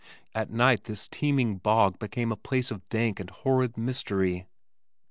At night this teeming bog became a place of dank and horrid mystery.